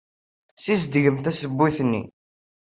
Ssizedgemt tazewwut-nni.